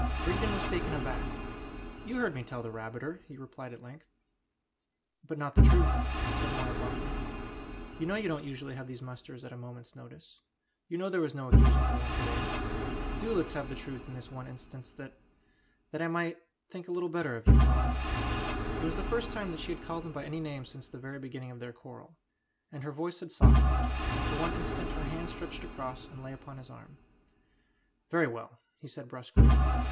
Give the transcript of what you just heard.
Rigden was taken aback. "You heard me tell that rabbiter," he replied at length. "But not the truth," said Moya bluntly. "You know you don't usually have these musters at a moment's notice; you know there was no occasion for one to day. Do let us have the truth in this one instance that that I may think a little better of you, Pelham!" It was the first time that she had called him by any name since the very beginning of their quarrel. And her voice had softened. And for one instant her hand stretched across and lay upon his arm. "Very well!" he said brusquely.